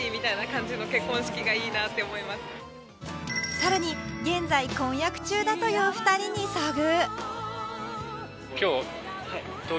さらに現在、婚約中だという２人に遭遇！